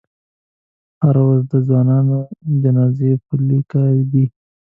هره ورځ یې د ځوانانو جنازې په لیکه دي.